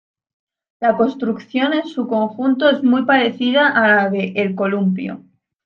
La construcción en su conjunto es muy parecida a la de "El columpio".